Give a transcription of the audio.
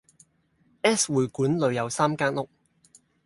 S 會館裏有三間屋，